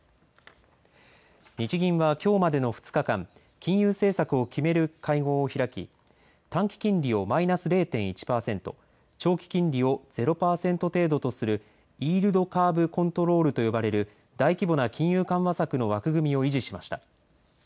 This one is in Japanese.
日銀はきょうまでの２日間、金融政策を決める会合を開き、短期金利をマイナス０．１％、長期金利を０％程度とするイールドカーブ・コントロールと呼ばれる大規模な金融緩和策の枠組みを維持しました。